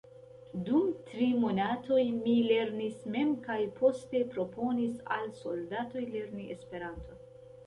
Dum tri monatoj mi lernis mem kaj poste proponis al soldatoj lerni Esperanton.